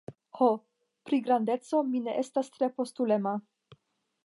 Ho, pri grandeco, mi ne estas tre postulema.